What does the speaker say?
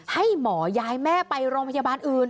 ให้หมอย้ายแม่ไปโรงพยาบาลอื่น